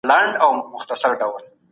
ما مخکي سفر کړی و.